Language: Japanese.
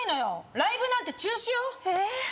ライブなんて中止よええー